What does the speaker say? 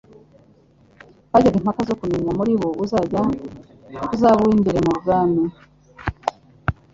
Bajyaga impaka zo kumenya muri bo uzaba uw'imbere mu bwami.